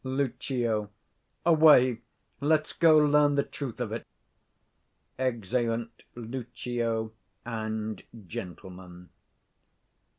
75 Lucio. Away! let's go learn the truth of it. [_Exeunt Lucio and Gentlemen.